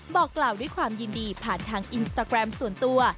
บอกกล่าวด้วยความยินดีผ่านทางอินสตาแกรมส่วนตัว